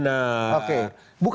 itu yang tidak benar